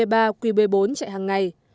tàu qb ba qb bốn chạy hàng ngày